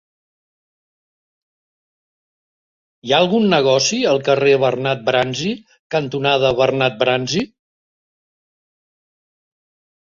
Hi ha algun negoci al carrer Bernat Bransi cantonada Bernat Bransi?